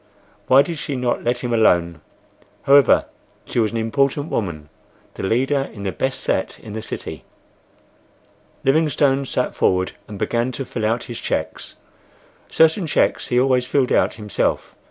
Why did she not let him alone! However, she was an important woman—the leader in the best set in the city. Livingstone sat forward and began to fill out his cheques. Certain cheques he always filled out himself.